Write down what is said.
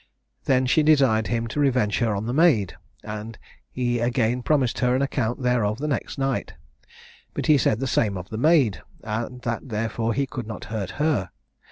Then she desired him to revenge her on the maid; and he again promised her an account thereof the next night: but he said the same of the maid, and that therefore he could not hurt her.